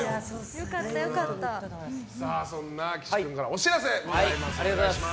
そんな岸君からお知らせございます。